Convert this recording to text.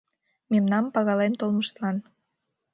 Мемнам пагален толмыштлан.